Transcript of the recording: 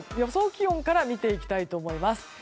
気温から見ていきたいと思います。